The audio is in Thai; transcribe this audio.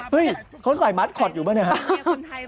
เฮ้ยเขาใส่มาสคอตอยู่ไหมนะครับ